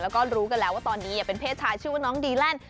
แล้วก็รู้กันแล้วว่าตอนนี้เป็นเพศชายชื่อว่าน้องดีแลนด์